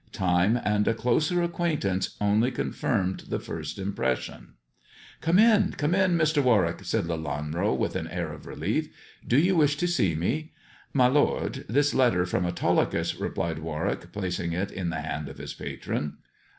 Time and a closer acquaint suice only confirmed the first impression. 112 THE dwarf's chamber "Come in, come in, Mr. Warwick," said Lelanro, with an air of relief. " Do you wish to see me ]"" My lord, this letter from Autolycus," replied Warwick, placing it in the hand of his patron.